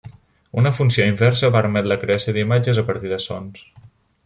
Una funció inversa permet la creació d'imatges a partir de sons.